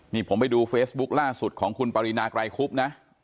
นี่ผมไปดูเฟซบุ๊คล่าสุดของคุณปรินาไกรคุบนะ